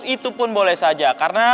itu pun boleh saja karena